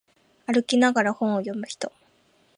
歩きながら本を読む人